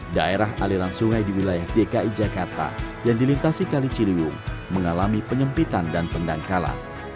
daerah aliran sungai di wilayah dki jakarta yang dilintasi kali ciliwung mengalami penyempitan dan pendangkalan